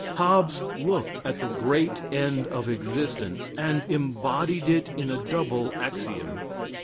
Hobbes looked at the great end of existence and embodied it in a double axiom.